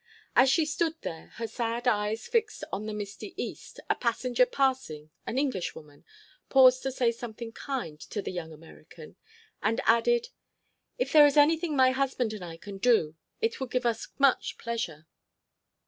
As she stood there, her sad eyes fixed on the misty East, a passenger passing—an Englishwoman—paused to say something kind to the young American; and added, "if there is anything my husband and I can do it would give us much pleasure."